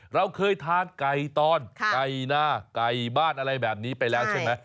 เราเคยทานไก่ตอนไก่หน้าไก่บ้านอะไรแบบนี้ไปแล้วใช่ไหม